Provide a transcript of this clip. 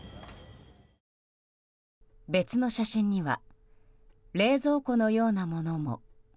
別の写真には冷蔵庫のようなものも。